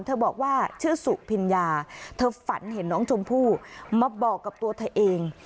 บอกว่าชื่อสุพิญญาเธอฝันเห็นน้องชมพู่มาบอกกับตัวเธอเอง